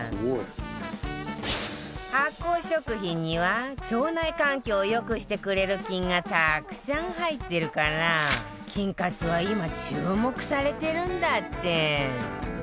発酵食品には腸内環境を良くしてくれる菌がたくさん入ってるから菌活は今注目されてるんだって